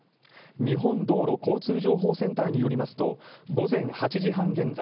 日本道路交通情報センターによりますと、午前８時半現在、